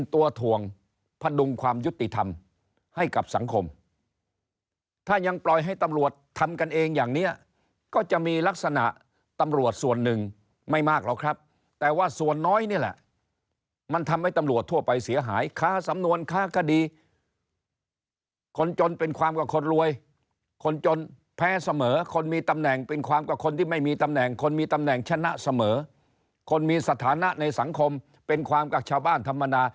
ประโยชน์ประโยชน์ประโยชน์ประโยชน์ประโยชน์ประโยชน์ประโยชน์ประโยชน์ประโยชน์ประโยชน์ประโยชน์ประโยชน์ประโยชน์ประโยชน์ประโยชน์ประโยชน์ประโยชน์ประโยชน์ประโยชน์ประโยชน์ประโยชน์ประโยชน์ประโยชน์ประโยชน์ประโยชน์ประโยชน์ประโยชน์ประโยชน์ประโยชน์ประโยชน์ประโยชน์ประโย